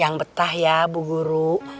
yang betah ya bu guru